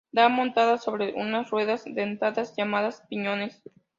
Va montada sobre unas ruedas dentadas llamadas piñones.